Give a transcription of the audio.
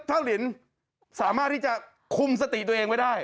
ถ้าลินสามารถที่จะคุมสติตัวเองไว้ได้